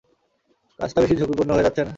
কাজটা বেশি ঝুঁকিপূর্ণ হয়ে যাচ্ছে না?